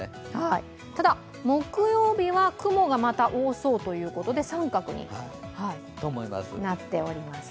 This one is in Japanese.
ただ木曜日は雲がまた多そうということで三角になっております。